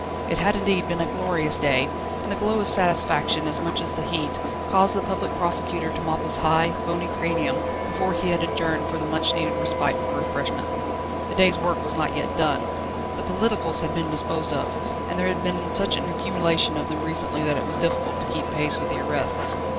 It had indeed been a glorious day, and the glow of satisfaction as much as the heat, caused the Public Prosecutors to mop his high, bony cranium before he had adjourned for the much needed respite for refreshment. The day's work was not yet done. The "politicals" had been disposed of, and there had been such an accumulation of them recently that it was difficult to keep pace with the arrests.